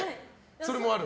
それもある？